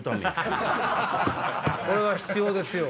これは必要ですよ。